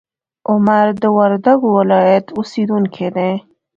عمر د وردګو ولایت اوسیدونکی دی.